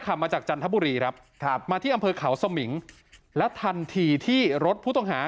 มาจากจันทบุรีครับครับมาที่อำเภอเขาสมิงและทันทีที่รถผู้ต้องหา